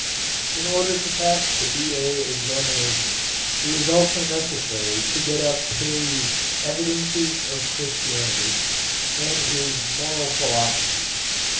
In order to pass the B.A. examination, it was also necessary to get up Paley's 'Evidences of Christianity,' and his 'Moral Philosophy.